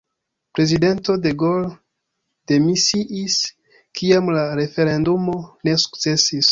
Prezidento de Gaulle demisiis kiam la referendumo ne sukcesis.